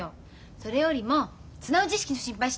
それよりも綱打ち式の心配して。